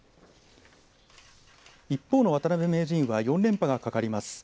一方の渡辺名人は４連覇がかかります。